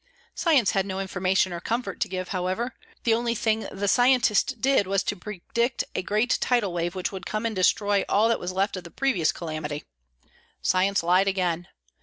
Science had no information or comfort to give, however. The only thing the scientist did was to predict a great tidal wave which would come and destroy all that was left of the previous calamity. Science lied again.